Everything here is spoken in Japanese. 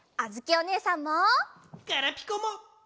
ガラピコも。